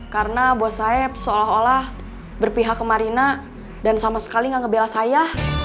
karena bos saeb seolah olah berpihak ke marina dan sama sekali gak ngebela saya